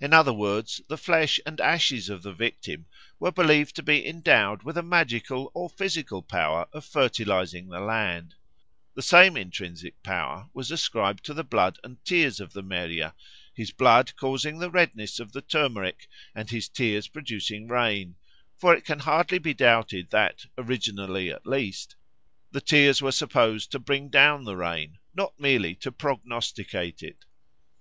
In other words, the flesh and ashes of the victim were believed to be endowed with a magical or physical power of fertilising the land. The same intrinsic power was ascribed to the blood and tears of the Meriah, his blood causing the redness of the turmeric and his tears producing rain; for it can hardly be doubted that, originally at least, the tears were supposed to bring down the rain, not merely to prognosticate it.